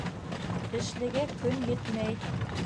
Эшлегә көн етмәй